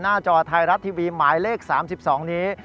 จอไทยรัฐทีวีหมายเลข๓๒นี้